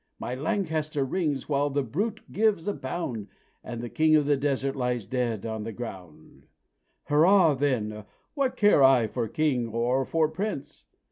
My 'Lancaster' rings, while the brute gives a bound, And the king of the desert lies dead on the ground! Hurrah! then, what care I for king or for prince?